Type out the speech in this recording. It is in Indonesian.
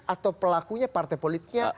atau pelakunya partai politiknya